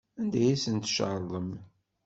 Anda ay asen-tcerḍem?